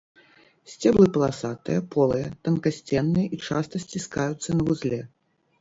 Сцеблы паласатыя, полыя, танкасценныя і часта сціскаюцца на вузле.